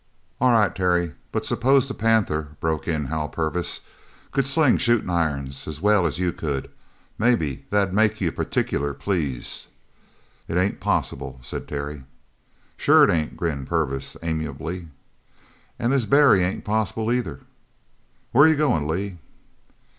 "All right, Terry, but suppose the panther," broke in Hal Purvis, "could sling shootin' irons as well as you could maybe that'd make you partic'ler pleased." "It ain't possible," said Terry. "Sure it ain't," grinned Purvis amiably, "an' this Barry ain't possible, either. Where you going, Lee?"